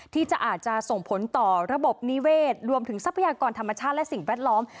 อาจจะอาจจะส่งผลต่อระบบนิเวศรวมถึงทรัพยากรธรรมชาติและสิ่งแวดล้อม